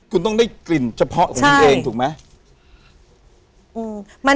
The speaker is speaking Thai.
คุณต้องได้กลิ่นเฉพาะของคุณเองถูกไหม